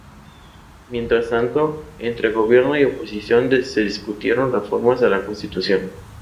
Mientras tanto, entre gobierno y oposición se discutieron reformas a la constitución.